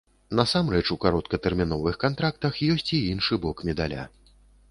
Насамрэч, у кароткатэрміновых кантрактах ёсць і іншы бок медаля.